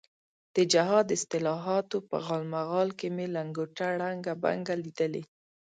د جهاد اصطلاحاتو په غالمغال کې مې لنګوټه ړنګه بنګه لیدلې.